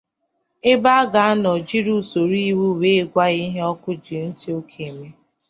ebe a ga-anọ jiri usoro iwu wee gwa ya ihe ọkụ ji ntị oke eme.